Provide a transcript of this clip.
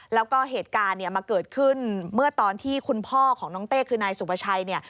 แล้วก็เหตุการณ์เนี่ยมาเกิดขึ้นเมื่อตอนที่คุณพ่อของน้องเต้คือนายสุภาชัยเนี่ย